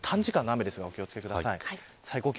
短時間の雨ですがお気を付けください。